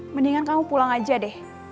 mendingan kamu pulang aja deh